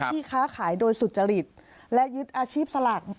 ที่ค้าขายโดยสุจริตและยึดอาชีพสลัก